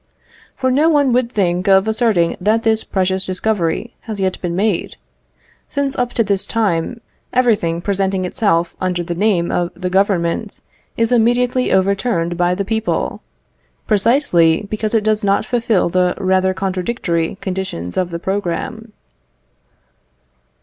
For no one would think of asserting that this precious discovery has yet been made, since up to this time everything presenting itself under the name of the Government is immediately overturned by the people, precisely because it does not fulfil the rather contradictory conditions of the programme.